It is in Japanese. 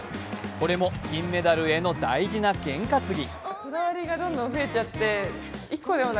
これも金メダルへの大事な験担ぎ。